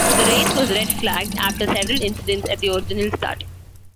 The race was red-flagged after several incidents at the original start.